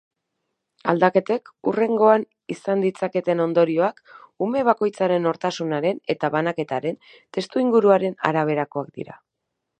Aldaketek haurrengan izan ditzaketen ondorioak ume bakoitzaren nortasunaren eta banaketaren testuinguruaren araberakoak dira.